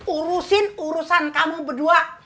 urusin urusan kamu berdua